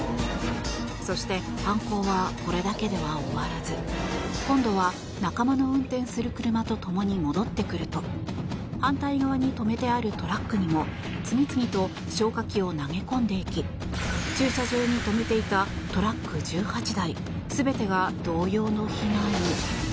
そして、犯行はこれだけでは終わらず今度は仲間の運転する車と共に戻ってくると反対側に止めてあるトラックにも次々と消火器を投げ込んでいき駐車場に止めていたトラック１８台全てが同様の被害に。